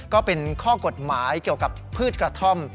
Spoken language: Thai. ก็เป็นข้อกฎหมายเกี่ยวกับพืชกระท่อม